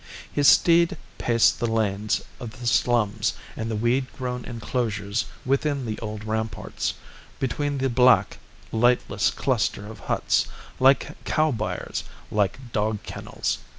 His steed paced the lanes of the slums and the weed grown enclosures within the old ramparts, between the black, lightless cluster of huts, like cow byres, like dog kennels.